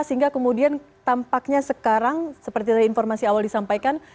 sehingga kemudian tampaknya sekarang seperti tadi informasi awal disampaikan